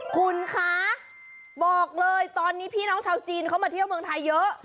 คุณคะบอกเลยตอนนี้พี่น้องชาวจีนเขามาเที่ยวเมืองไทยเยอะ